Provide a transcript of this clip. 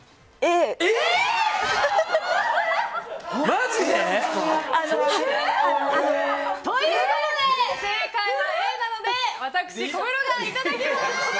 マジで？ということで正解はＡなので私、小室がいただきます。